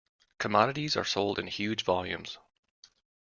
Commodities are sold in huge volumes.